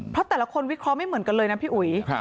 เพราะแต่ละคนวิเคราะห์ไม่เหมือนกันเลยนะพี่อุ๋ย